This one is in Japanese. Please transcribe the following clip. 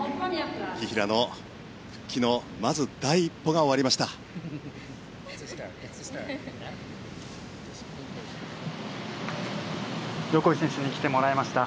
紀平の復帰のまず第一歩が終わりました。